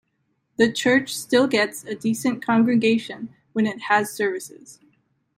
The church still gets a decent congregation when it has services.